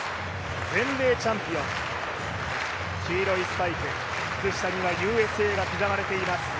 全米チャンピオン、黄色いスパイク靴下にはＵＳＡが刻まれています。